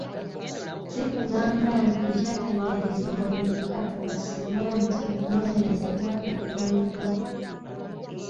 Si kugamba nti ekyateeberezebwa bwe kitakakasibwa nti okunoonyereza kuba tekukoleddwa?